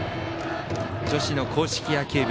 女子の硬式野球部